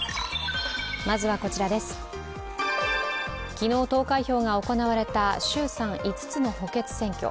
昨日、投開票が行われた衆参５つの補欠選挙。